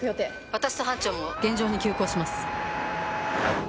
私と班長も現場に急行します。